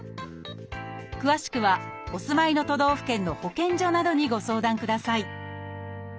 詳しくはお住まいの都道府県の保健所などにご相談ください